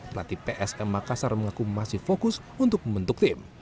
pelatih psm makassar mengaku masih fokus untuk membentuk tim